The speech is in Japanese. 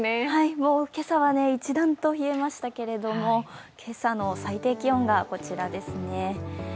もう今朝は一段と冷えましたけれども、今朝の最低気温がこちらですね。